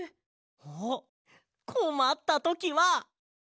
あっこまったときは。